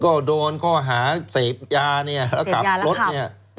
ก็โดนข้อหาเศษยาเนี่ยกับรถเนี่ย